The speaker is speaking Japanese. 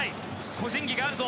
個人技があるぞ。